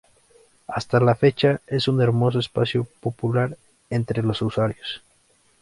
Hasta la fecha, es un hermoso espacio popular entre los usuarios.